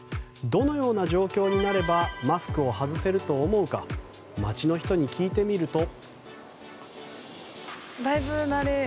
どのような状況になればマスクを外せると思うか街の人に聞いてみると。